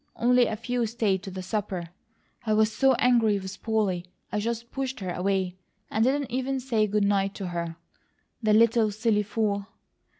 Only a few stayed to the supper. I was so angry with Polly I just pushed her away, and didn't even say good night to her. The little silly fool!